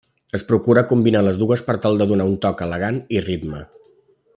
Es procura combinar les dues per tal de donar un toc elegant i ritme.